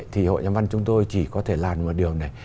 thì hội nhà văn chúng tôi chỉ có thể làm một điều này